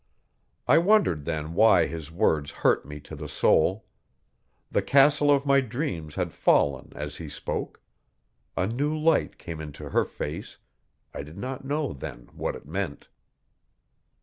I wondered then why his words hurt me to the soul. The castle of my dreams had fallen as he spoke. A new light came into her face I did not know then what it meant.